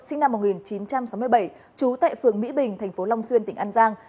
sinh năm một nghìn chín trăm sáu mươi bảy trú tại phường mỹ bình thành phố long xuyên tỉnh an giang